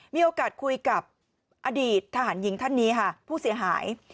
มีโอกาสคุยกับอดีตทหารหญิงท่านนี้ค่ะผู้เสียหาย